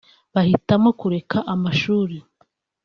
bahitamo kureka amashuri